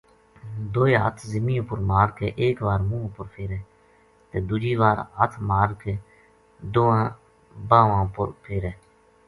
دوئے ہاتھ زمی اپر مار کے ایک وار منہ اپر فیرے تے دوجی وار ہتھ مار کے دواں باواں اپر فیرے۔